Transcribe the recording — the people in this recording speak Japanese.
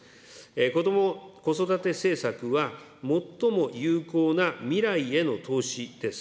こども・子育て政策は、最も有効な未来への投資です。